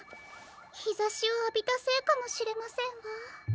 ひざしをあびたせいかもしれませんわ。